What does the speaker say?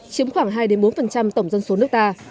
chiếm khoảng hai bốn tổng dân số nước ta